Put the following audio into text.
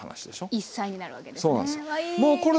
一菜になるわけですね。